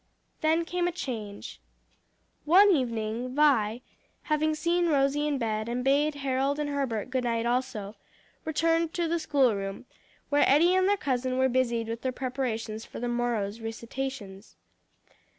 Then came a change. One evening, Vi, having seen Rosie in bed, and bade Harold and Herbert good night also, returned to the schoolroom, where Eddie and their cousin were busied with their preparations for the morrow's recitations.